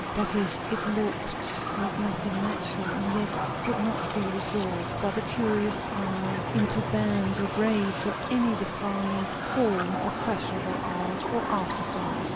That is, it looked like nothing natural, and yet could not be resolved by the curious eye into bands or braids or any defined form of fashionable art or artifice.